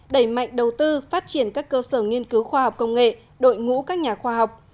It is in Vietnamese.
đẩy mạnh đầu tư phát triển các cơ sở nghiên cứu khoa học công nghệ đội ngũ các nhà khoa học